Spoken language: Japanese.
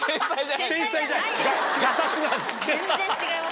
全然違います。